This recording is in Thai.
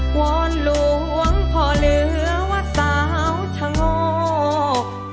วอนหลวงพ่อเหนือวัดสาวชะโงก